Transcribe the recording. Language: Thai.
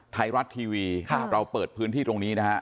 ไทยรัฐทีวีเราเปิดพื้นที่ตรงนี้นะฮะ